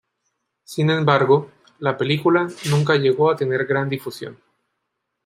Sin embargo, la película nunca llegó a tener gran difusión.